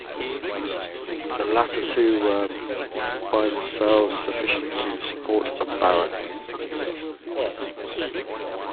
The latter two were by themselves sufficient to support a baron.